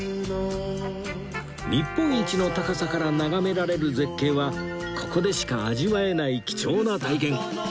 日本一の高さから眺められる絶景はここでしか味わえない貴重な体験